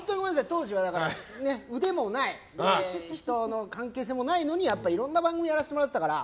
当時は腕もない人の関係性もないのにいろんな番組をやらせてもらってたから。